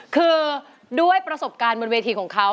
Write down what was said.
คือด้วยประสบการณ์บนเวทีของเขา